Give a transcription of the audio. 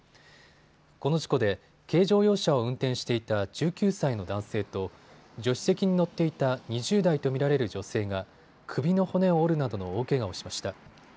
この事故で軽乗用車を運転していた１９歳の男性と助手席に乗っていた２０代と見られる女性が首の骨を折るなどの大けがをしました。